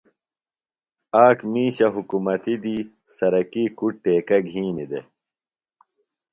آک مِیشہ حُکمتیۡ دی سرکی کُڈ ٹیکہ گِھینیۡ دےۡ۔